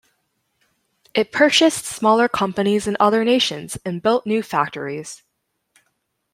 It purchased smaller companies in other nations and built new factories.